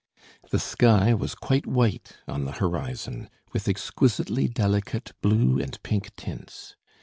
The sky was quite white on the horizon, with exquisitely delicate blue and pink tints.